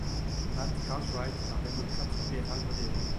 Matt Cartwright est un démocrate libéral modéré.